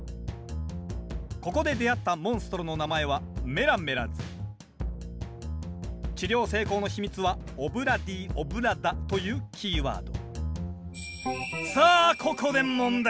ここで出会ったモンストロの名前は治療成功の秘密は「オブ・ラ・ディオブ・ラ・ダ」というキーワード